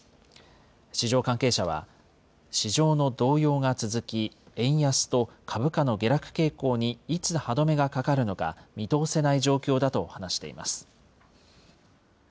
市場関係者は、市場の動揺が続き、円安と株価の下落傾向にいつ歯止めがかかるのか、見通せない状況だと話しています。